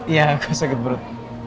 iya aku sakit perut